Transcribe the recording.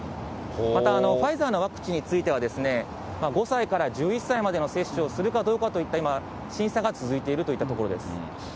またファイザーのワクチンについては、５歳から１１歳までの接種をするかどうかといった、今、審査が続いているといったところです。